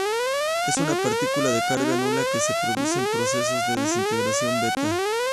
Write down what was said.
Es una partícula de carga nula que se produce en procesos de desintegración beta.